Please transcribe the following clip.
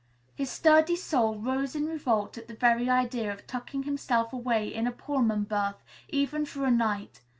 His sturdy soul rose in revolt at the very idea of tucking himself away in a Pullman berth, even for a night.